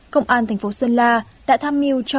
công an thành phố sơn la đã tham mưu cho